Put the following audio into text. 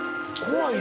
怖い。